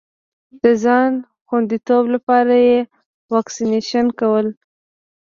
د ځان خوندیتوب لپاره یې واکسېنېشن کول.